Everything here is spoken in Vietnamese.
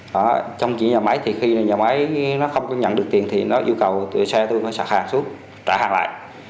không chuyển cho nhà máy thì khi nhà máy nó không có nhận được tiền thì nó yêu cầu xe tôi phải sạc hàng xuống trả hàng lại